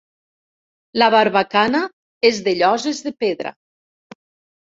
La barbacana és de lloses de pedra.